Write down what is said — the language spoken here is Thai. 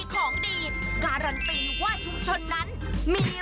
บอกเลยชุมชนไหนมีของดี